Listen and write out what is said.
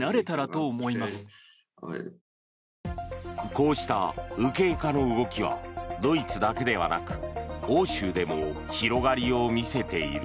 こうした右傾化の動きはドイツだけではなく欧州でも広がりを見せている。